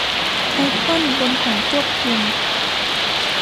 ไอคอนบนแผงควบคุม